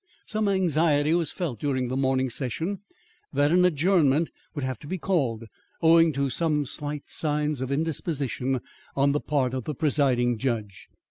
"Some anxiety was felt during the morning session that an adjournment would have to be called, owing to some slight signs of indisposition on the part of the presiding judge.